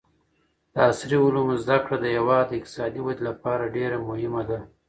د عصري علومو زده کړه د هېواد د اقتصادي ودې لپاره ډېره مهمه ده.